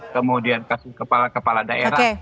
kemudian kasus kepala kepala daerah